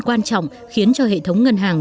quan trọng khiến cho hệ thống ngân hàng